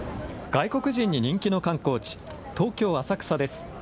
外国人に人気の観光地、東京・浅草です。